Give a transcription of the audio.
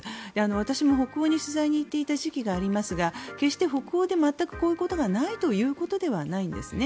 私も北欧に取材に行っていた時期がありますが決して北欧で全くこういうことがないというわけではないんですね。